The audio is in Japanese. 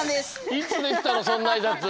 いつできたのそんなあいさつ？